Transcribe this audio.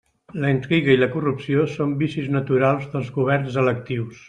La intriga i la corrupció són vicis naturals dels governs electius.